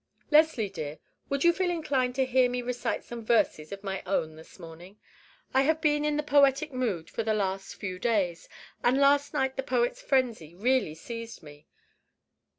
Leslie, dear, would you feel inclined to hear me recite some verses of my own this morning? I have been in the poetic mood for the last few days, and last night the poet's frenzy really seized me.